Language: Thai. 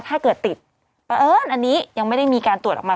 ถ้าเกิดติดเพราะเอิญอันนี้ยังไม่ได้มีการตรวจออกมา